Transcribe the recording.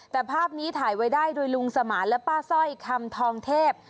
แต่ภาพนี้ถ่ายไว้ได้โดยลุงสมานและป้าสร้อยคำทองเทพ